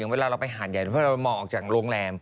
เวลาเราไปหาดใหญ่เพราะเรามองออกจากโรงแรม